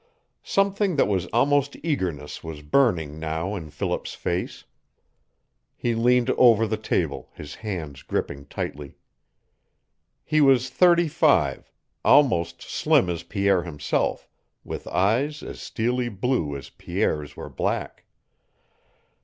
Something that was almost eagerness was burning now in Philip's face. He leaned over the table, his hands gripping tightly. He was thirty five; almost slim as Pierre himself, with eyes as steely blue as Pierre's were black.